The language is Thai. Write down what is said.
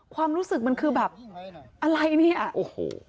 ความรู้สึกมันคือแบบอะไรเนี่ยโอ้โห